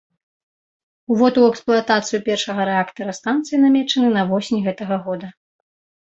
Увод у эксплуатацыю першага рэактара станцыі намечаны на восень гэтага года.